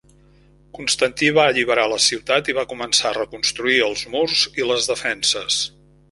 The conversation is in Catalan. Constantí va alliberar la ciutat i va començar a reconstruir els murs i les defenses.